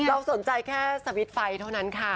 เราสนใจแค่สวิตช์ไฟเท่านั้นค่ะ